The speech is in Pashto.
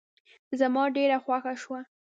زما ډېره خوښه شوه.